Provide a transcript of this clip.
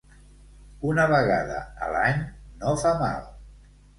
Una vegada a l'any no fa mal.